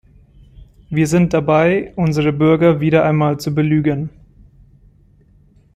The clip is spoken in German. Wir sind dabei, unsere Bürger wieder einmal zu belügen.